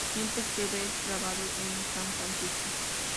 Simply the Best" grabado en San Francisco.